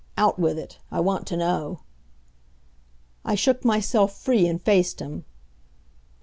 Out with it! I want to know." I shook myself free and faced him.